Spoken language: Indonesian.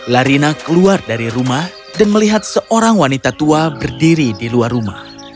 larina keluar dari rumah dan melihat seorang wanita tua berdiri di luar rumah